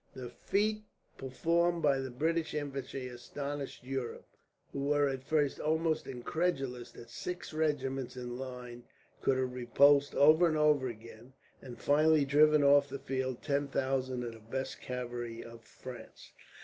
The feat performed by the British infantry astonished Europe, who were at first almost incredulous that six regiments in line could have repulsed, over and over again, and finally driven off the field, ten thousand of the best cavalry of France.